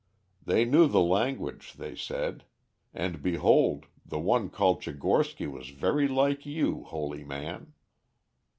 They knew the language, they said. And, behold, the one called Tchigorsky was very like you, holy man.'